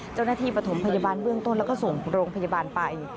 เจ้าหน้าที่ปฐมพยาบาลเบื้องต้นแล้วก็ส่งโรงพยาบาลไป